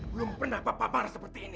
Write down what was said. belum pernah papa marah seperti ini